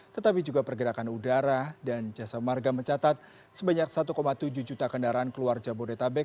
tetapi juga pergerakan udara dan jasa marga mencatat sebanyak satu tujuh juta kendaraan keluar jabodetabek